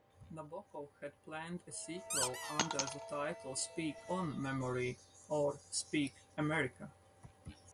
Nabokov had planned a sequel under the title "Speak on, Memory" or "Speak, America".